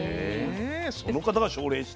その方が奨励して。